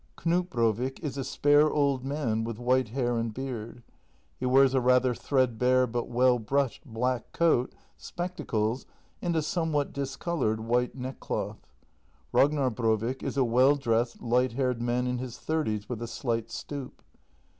Knut Brovik is a spare old man with white hair and beard. He wears a rather threadbare but well brushed black coat, spectacles, and a some what discoloured white neckcloth. Ragnar Brovik is a well dressed, light haired man in his thirties, with a slight stoop.